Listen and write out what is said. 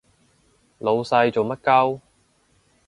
老細做乜 𨳊